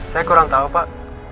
saya kurang tau pak